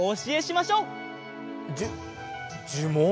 じゅじゅもん？